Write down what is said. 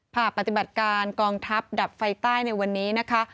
ภาพปฏิบัติการกองทัพดับไฟใต้ในวันนี้นะคะ